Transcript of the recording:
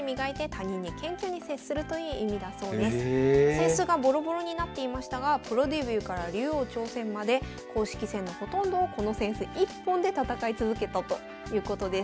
扇子がボロボロになっていましたがプロデビューから竜王挑戦まで公式戦のほとんどをこの扇子一本で戦い続けたということです。